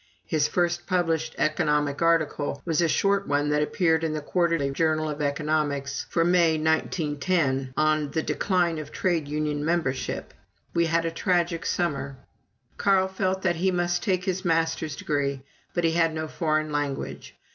(His first published economic article was a short one that appeared in the "Quarterly Journal of Economics" for May, 1910, on "The Decline of Trade Union Membership.") We had a tragic summer. Carl felt that he must take his Master's degree, but he had no foreign language.